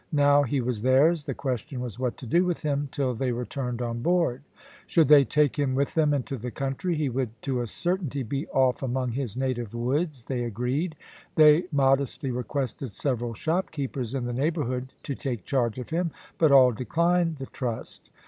Now he was theirs, the question was what to do with him till they returned on board. Should they take him with them into the country, he would to a certainty be off among his native woods, they agreed. They modestly requested several shop keepers in the neighbourhood to take charge of him, but all declined the trust.